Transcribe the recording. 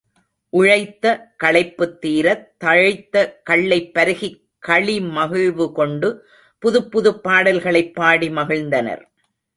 உழைத்த களைப்புத் தீரத் தழைத்த கள்ளைப் பருகிக் களி மகிழ்வு கொண்டு புதுப் புதுப்பாடல்களைப் பாடி மகிழ்ந்தனர்.